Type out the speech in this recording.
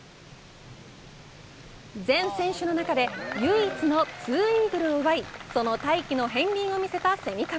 全選手の中で唯一の２イーグルを奪いその大器の片りんを見せた蝉川。